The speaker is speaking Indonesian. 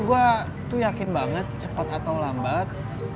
gua tuh yakin banget cepet atau lambat